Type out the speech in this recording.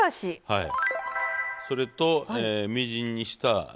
はい。